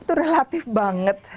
itu relatif banget